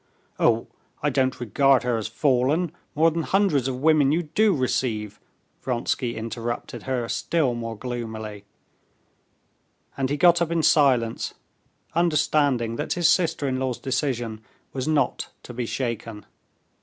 "Oh, I don't regard her as fallen more than hundreds of women you do receive!" Vronsky interrupted her still more gloomily, and he got up in silence, understanding that his sister in law's decision was not to be shaken.